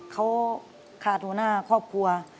เขาขาดหัวหน้าครอบครัว